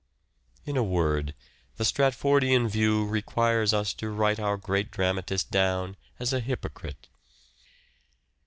In a word, the Stratfordian view requires us to write our great dramatist down as a hypocrite.